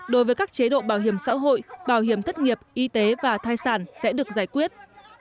đối với các chế độ bảo hiểm xã hội bảo hiểm thất nghiệp y tế và thai sản sẽ được giải quyết